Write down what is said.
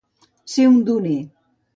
Ser un doner.